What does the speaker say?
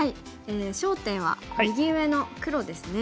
焦点は右上の黒ですね。